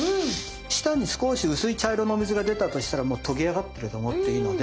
下に少し薄い茶色のお水が出たとしたらとぎ上がってると思っていいので。